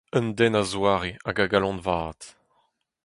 Un den a-zoare hag a-galon-vat.